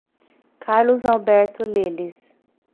Carlos Alberto Leles